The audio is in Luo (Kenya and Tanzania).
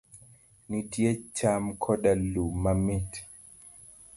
Nitie cham koda lum matin.